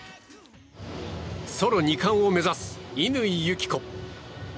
ソロ２冠を目指す乾友紀子。